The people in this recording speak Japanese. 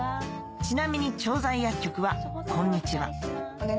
ちなみに調剤薬局は「こんにちは」